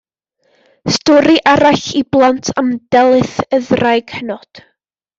Stori arall i blant am Delyth, y ddraig hynod.